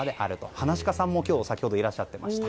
噺家さんも先ほどいらっしゃってました。